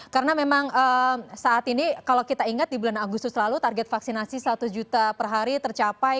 karena memang saat ini kalau kita ingat di bulan agustus lalu target vaksinasi satu juta per hari tercapai